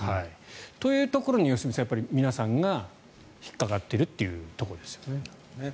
というところに良純さん皆さんが引っかかってるというところですね。